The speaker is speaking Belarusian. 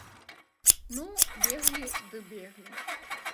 Ну, беглі ды беглі.